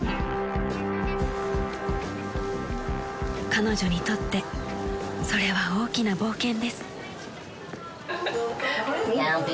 ［彼女にとってそれは大きな冒険です］